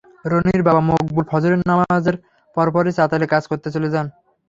রনির বাবা মকবুল ফজরের নামাজের পরপরই চাতালে কাজ করতে চলে যান।